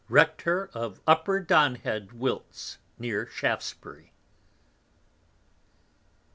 Rector of Upper Donhead Wilts near Shaftsbury.